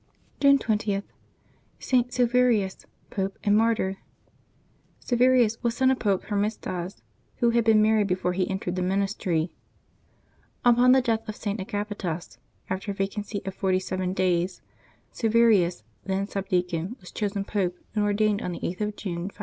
June 20.— ST. SILVERIUS, Pope and Martyr. [iLVERius was son of Pope Hermisdas, who had been, married before he entered the ministry. Upon the death of St. Agapetas, after a vacancy of forty seven days, Silverius, then subdeacon, was chosen Pope, and ordained on the 8th of June, 536.